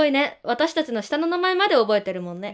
私たちの下の名前まで覚えてるもんね。